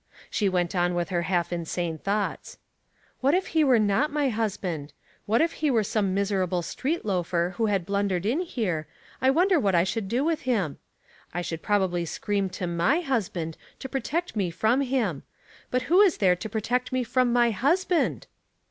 She went on with her half insane thoughts. '' What if he were not my hus band ? What if he were some miserable street loafer who had blundered in here, I wonder what I should do with him ? I should probably scream to my husband to protect me from him ; but who is there to protect me from my husband